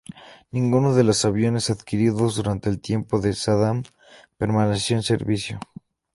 Ninguno de los aviones adquiridos durante el tiempo de Saddam permaneció en servicio.